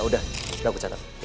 udah aku catat